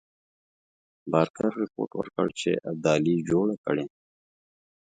بارکر رپوټ ورکړ چې ابدالي جوړه کړې.